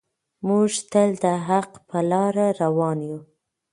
موږ تل د حق په لاره روان یو.